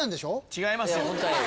違いますよ。